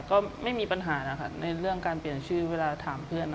ก็ไม่มีปัญหานะคะในเรื่องการเปลี่ยนชื่อเวลาถามเพื่อน